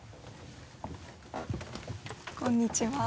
こんにちは。